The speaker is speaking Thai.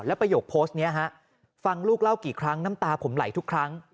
ประโยคโพสต์นี้ฮะฟังลูกเล่ากี่ครั้งน้ำตาผมไหลทุกครั้ง